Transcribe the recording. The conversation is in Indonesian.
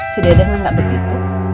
si dede mak enggak begitu